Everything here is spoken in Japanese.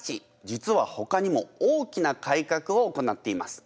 実はほかにも大きな改革を行っています。